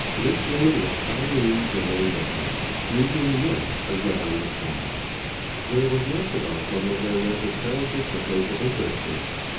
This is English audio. This woman was Anne Louise Germaine Necker, usually known as Mme. de Stael. There was much about Mile. Necker's parentage that made her interesting.